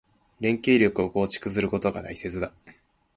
連携力を構築することが大切だ。